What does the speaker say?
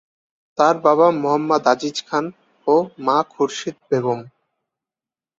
তার বাবা মুহাম্মদ আজিজ খান ও মা খুরশিদ বেগম।